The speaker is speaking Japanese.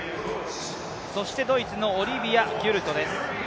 ドイツのオリビア・ギュルトです。